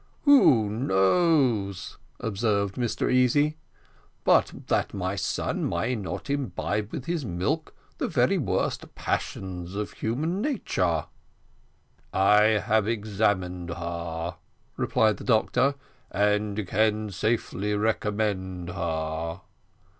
"Who knows," observed Mr Easy, "but that my son may not imbibe with his milk the very worst passions of human nature." "I have examined her," replied the doctor, "and can safely recommend her."